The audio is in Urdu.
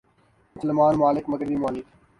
مسلمان ممالک مغربی ممالک